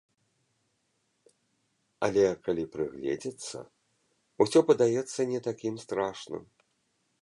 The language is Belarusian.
Але, калі прыгледзецца, усё падаецца не такім страшным.